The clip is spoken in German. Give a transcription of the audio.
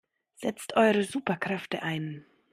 Setzt eure Superkräfte ein!